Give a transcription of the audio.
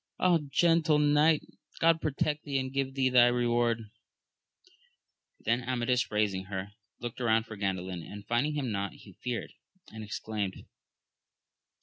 Ah, gentle knight, God protect thee and give thee thy reward ! Then Amadis raising her, looked round for Gan dalin, and finding him not, he feared, and exclaimed.